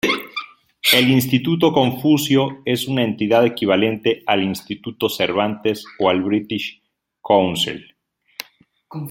El Instituto Confucio es una entidad equivalente al Instituto Cervantes o al British Council.